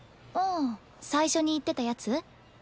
ああ最初に言ってたやつ？